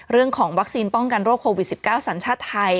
เรื่องของวัคซีนป้องกันโรคโควิด๑๙สัญชาติไทย